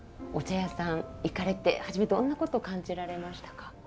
お茶屋さん行かれて初めどんなこと感じられましたか。